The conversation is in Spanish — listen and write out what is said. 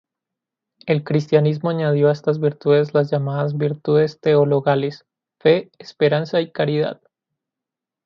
El Cristianismo añadió a estas virtudes las llamadas Virtudes teologales: Fe, Esperanza y Caridad.